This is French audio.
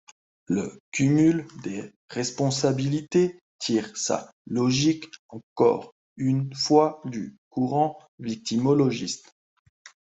Le cumul des responsabilités tire sa logique encore une fois du courant victimologiste.